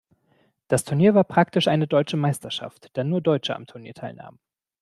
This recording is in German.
Das Turnier war praktisch eine deutsche Meisterschaft, da nur Deutsche am Turnier teilnahmen.